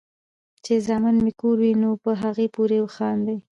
چې زامن مې کور وي نو پۀ هغې پورې خاندي ـ